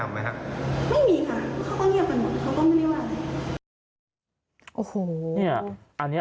ไม่มีค่ะเขาก็เงียบกันหมดเขาก็ไม่ได้ว่าอะไร